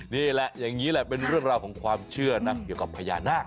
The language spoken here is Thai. นี่แหละอย่างนี้แหละเป็นเรื่องราวของความเชื่อนะเกี่ยวกับพญานาค